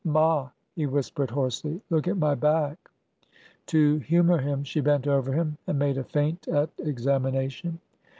" Ma !" he whispered hoarsely, " look at my back !" To humor him, she bent over him and made a feint at examination.